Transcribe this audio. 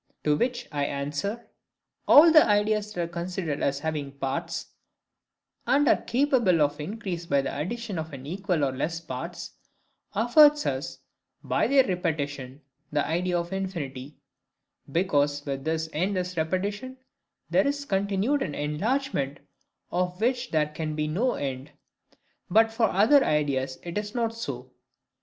To which I answer,—All the ideas that are considered as having parts, and are capable of increase by the addition of an equal or less parts, afford us, by their repetition, the idea of infinity; because, with this endless repetition, there is continued an enlargement of which there CAN be no end. But for other ideas it is not so.